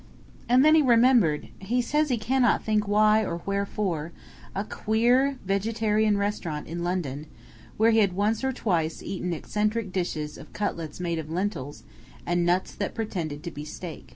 And then he remembered he says he cannot think why or wherefore a queer vegetarian restaurant in London where he had once or twice eaten eccentric dishes of cutlets made of lentils and nuts that pretended to be steak.